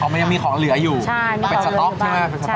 อ๋อมันยังมีของเหลืออยู่เป็นสต๊อกใช่ไหมเป็นสต๊อกใช่ค่ะ